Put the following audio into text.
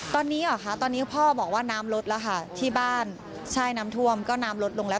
ตอนนี้เหรอคะตอนนี้พ่อบอกว่าน้ำลดแล้วค่ะที่บ้านใช่น้ำท่วมก็น้ำลดลงแล้ว